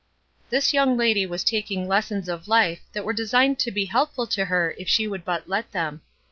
This young lady was taking lessons of life that were designed to be helpful to her if she would but let them.